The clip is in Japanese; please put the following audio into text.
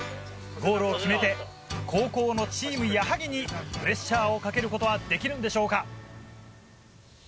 ゴールを決めて後攻のチーム矢作にプレッシャーをかけることはできるんでしょうか。